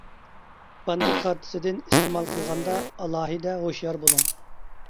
بانكا كارتىسىدىن ئىستېمال قىلغاندا ئالاھىدە ھوشيار بولۇڭ.